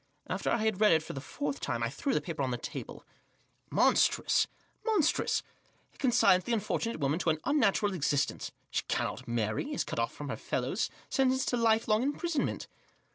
After I had read it for the fourth time I threw the paper on to the table. " Monstrous ! monstrous ! It consigns the unfor tunate woman to an unnatural existence ; she cannot marry ; is cut off from her fellows ; sentenced to life long imprisonment.